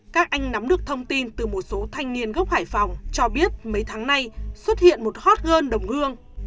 các anh nắm được thông tin từ một số thanh niên gốc hải phòng cho biết mấy tháng nay xuất hiện một hot girl đồng hương